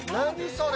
それ。